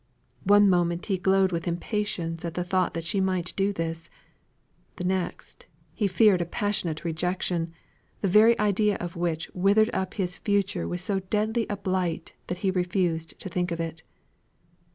One moment he glowed with impatience at the thought that she might do this, the next he feared a passionate rejection, the idea of which withered up his future with so deadly a blight that he refused to think of it.